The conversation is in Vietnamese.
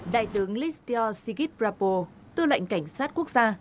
đại tướng listio sigit prabowo tư lệnh cảnh sát quốc gia